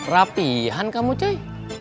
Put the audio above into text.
rapihan kamu cuy